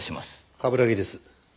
冠城です。